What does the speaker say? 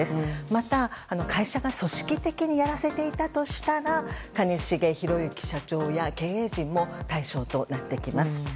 また、会社が組織的にやらせていたとしたら兼重宏行社長や経営陣も対象となってきます。